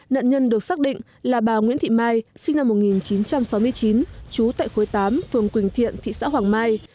nạn nhân được xác định là bà nguyễn thị mai sinh năm một nghìn chín trăm sáu mươi chín trú tại khối tám phường quỳnh thiện thị xã hoàng mai